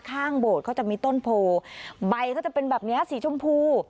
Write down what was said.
ข้างโบดก็จะมีต้นโพใบก็จะเป็นแบบนี้สีชมพู